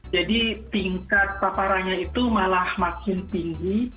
jadi tingkat paparannya itu malah makin tinggi